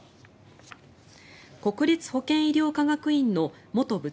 国立保健医療科学院の元部